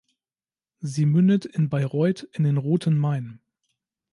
Sie mündet in Bayreuth in den Roten Main.